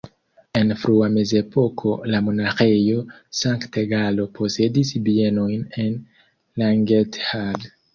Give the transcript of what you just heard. En frua mezepoko la Monaĥejo Sankt-Galo posedis bienojn en Langenthal.